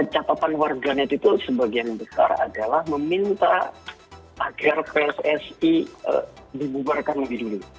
catatan warganet itu sebagian besar adalah meminta agar pssi dibubarkan lebih dulu